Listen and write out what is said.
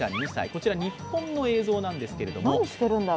こちら日本の映像なんですけれども。